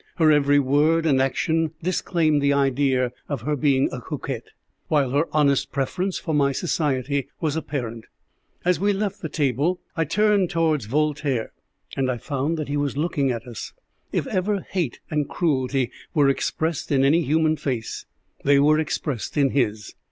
Her every word and action disclaimed the idea of her being a coquette, while her honest preference for my society was apparent. As we left the table I turned towards Voltaire, and I found that he was looking at us. If ever hate and cruelty were expressed in any human face, they were expressed in his.